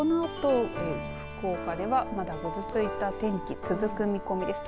このあと福岡ではまだぐずついた天気続く見込みです。